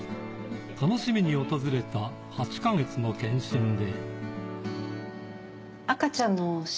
楽しみに訪れた８か月の健診で。